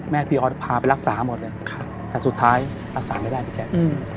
พี่ออสพาไปรักษาหมดเลยแต่สุดท้ายรักษาไม่ได้พี่แจ๊ค